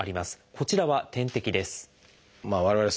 こちらは点滴です。